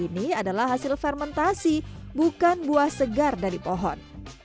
ini adalah hasil fermentasi bukan buah segar dari pohon